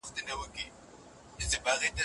په انګلستان کي هم سوسیالیزم شتون لري.